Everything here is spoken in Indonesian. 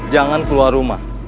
jangan keluar rumah